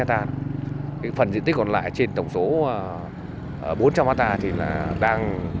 cái phần diện tích còn lại trên tổng số bốn trăm linh hectare thì là đang